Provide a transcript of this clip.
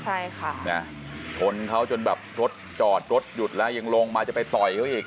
ใช่ค่ะนะชนเขาจนแบบรถจอดรถหยุดแล้วยังลงมาจะไปต่อยเขาอีก